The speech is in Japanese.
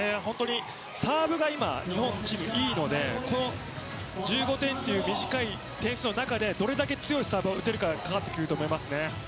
サーブが今、日本チームいいので１５点という短い点数の中でどれだけ強いサーブを打てるかで変わってきますね。